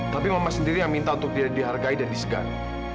tapi mama sendiri yang minta untuk dihargai dan disegan